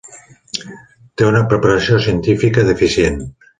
Té una preparació científica deficient.